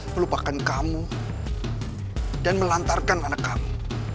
melupakan kamu dan melantarkan anak kamu